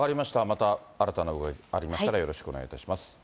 また新たな動きありましたら、よろしくお願いいたします。